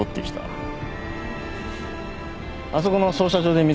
あそこの操車場で見つかったんです。